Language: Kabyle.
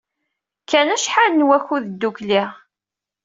Kkan acḥal n wakud ddukkli.